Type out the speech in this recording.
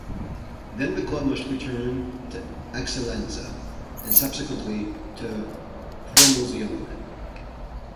Then the club must return to Eccellenza and subsequently to Promozione.